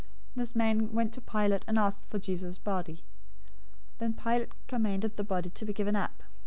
027:058 This man went to Pilate, and asked for Jesus' body. Then Pilate commanded the body to be given up.